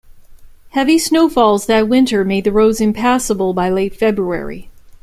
Heavy snowfalls that winter made the roads impassable by late February